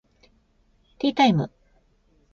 ティータイム